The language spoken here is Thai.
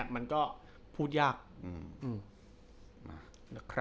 มันก็พูดยาก